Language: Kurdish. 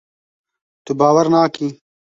Tu bawer nakî.